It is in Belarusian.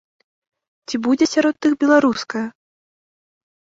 Ці будзе сярод іх беларуская?